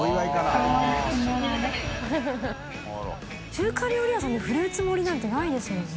中華料理屋さんにフルーツ盛りなんてないですもんね。